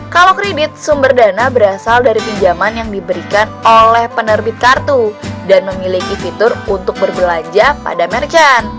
kalau kredit sumber dana berasal dari pinjaman yang diberikan oleh penerbit kartu dan memiliki fitur untuk berbelanja pada merchant